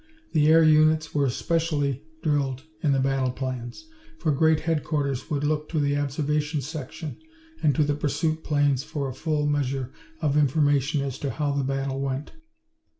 The air units were especially drilled in the battle plans, for Great Headquarters would look to the Observation section and to the pursuit planes for a full measure of information as to how the battle went.